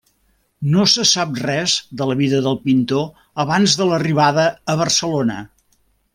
No se sap res de la vida del pintor abans de l'arribada a Barcelona.